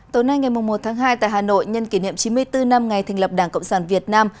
tối nay ngày một tháng hai tại hà nội nhân kỷ niệm chín mươi bốn năm ngày thành lập đảng cộng sản việt nam